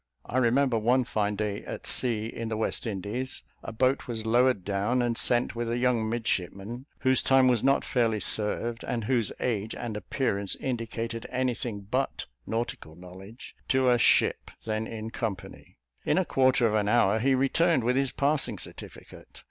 I remember, one fine day at sea, in the West Indies, a boat was lowered down, and sent with a young midshipman (whose time was not fairly served, and whose age and appearance indicated anything but nautical knowledge) to a ship then in company; in a quarter of an hour he returned, with his passing certificate.